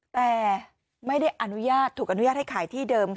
แต่ไม่ได้อนุญาตถูกอนุญาตให้ขายที่เดิมค่ะ